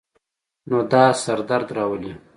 نو دا سر درد راولی